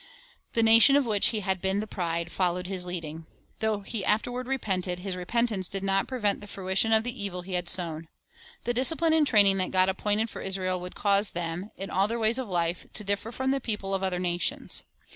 The nation, of which he had been the pride, followed his leading. Though he afterward repented, his repent ance did not prevent the fruition of the evil he had sown. The discipline and training that God appointed for Israel would cause them, in all their ways of life, to differ from the people of other nations.